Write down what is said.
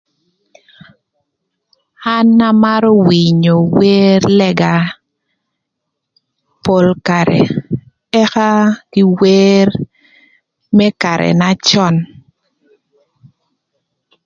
An amarö winyo wer lëga pol karë ëka kï wer më karë na cön